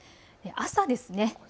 朝ですね。